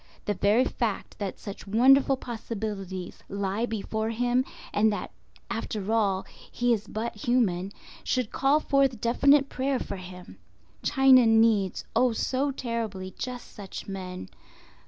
The very fact that such wonderful possibilities lie before him, and that after all he is but human, should call forth definite prayer for him. China needs—oh, so terribly!—just such men.